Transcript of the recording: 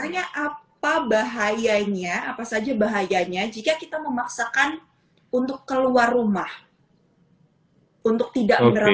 tanya apa bahayanya apa saja bahayanya jika kita memaksakan untuk keluar rumah untuk tidak menerapkan